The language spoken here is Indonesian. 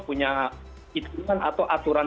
punya istimewa atau aturan